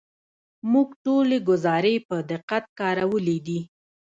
موږ ټولې ګزارې په دقت کارولې دي.